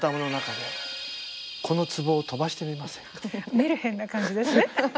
メルヘンな感じですね。